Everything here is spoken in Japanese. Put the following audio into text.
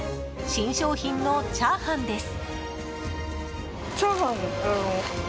新商品のチャーハンです。